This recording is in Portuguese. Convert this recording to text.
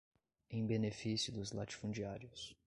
em benefício dos latifundiários